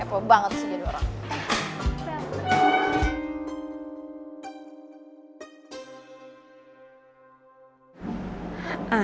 apple banget sih jadi orang